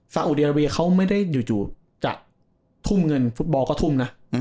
สาหรัยเขาไม่ได้อยู่จู่จะทุ่มเงินฟุตบอลก็ทุ่มน่ะ